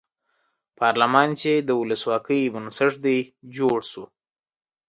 پارلمان چې د ولسواکۍ بنسټ دی جوړ شو.